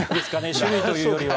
種類というよりは。